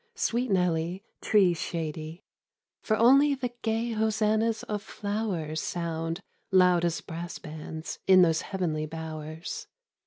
" Sweet Nelly," " Trees shady " For only the gay hosannas of flowers Sound, loud as brass bands, in those heavenly bowers.